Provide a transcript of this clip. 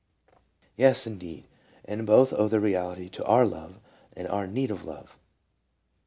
Yes, indeed, and both owe their reality to our love and our need of love.